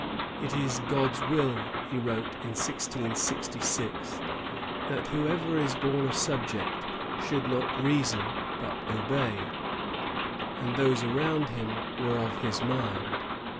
" It is God's will, " he wrote in 1666, "that whoever is bom a subject should not reason, but obey;"^ and those around him were ol his mind.